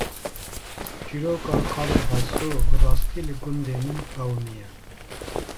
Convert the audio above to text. Çîroka “Xalê Heso” bi rastî li gundê min qewîmiye